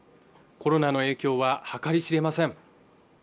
コロナの影響は計り知れません